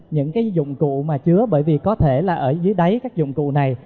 những cái dụng cụ mà chứa bởi vì có thể là ở dưới đáy các dụng cụ này